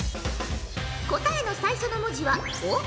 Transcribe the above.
答えの最初の文字は「お」。